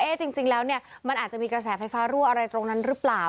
จริงแล้วเนี่ยมันอาจจะมีกระแสไฟฟ้ารั่วอะไรตรงนั้นหรือเปล่า